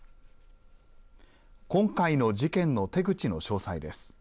今回の事件の手口の詳細です。